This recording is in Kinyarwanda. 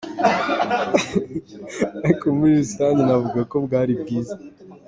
"Ariko muri rusange, navuga ko bwari bwiza.